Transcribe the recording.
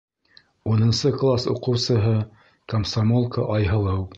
Унынсы класс уҡыусыһы комсомолка Айһылыу.